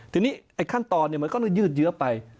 ทีนี้ไอ้ขั้นตอนมันก็ยืดเยอะไป